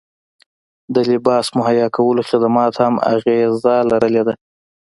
د لباس مهیا کولو خدماتو هم اغیزه لرلې ده